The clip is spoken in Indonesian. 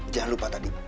jangan lupa tadi